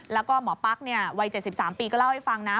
แล้วก็หมอปั๊กวัย๗๓ปีก็เล่าให้ฟังนะ